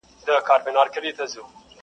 سپوږمۍ پر راختو ده څوک به ځي څوک به راځي،